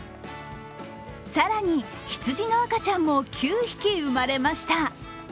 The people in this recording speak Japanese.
更に、羊の赤ちゃんも９匹生まれました。